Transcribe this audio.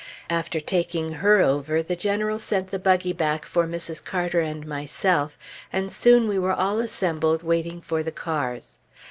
After taking her over, the General sent the buggy back for Mrs. Carter and myself, and soon we were all assembled waiting for the cars.